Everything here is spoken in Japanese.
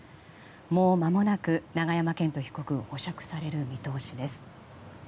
もうまもなく永山絢斗被告保釈される見通しです。